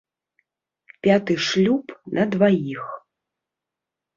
Пяты шлюб на дваіх.